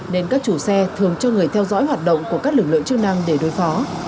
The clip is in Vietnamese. nên các chủ xe thường cho người theo dõi hoạt động của các lực lượng chức năng để đối phó